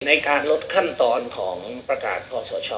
ถูกด้วยขั้นตอนของประกาศขอสช